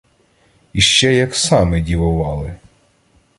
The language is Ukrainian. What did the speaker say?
Іще як сами дівовали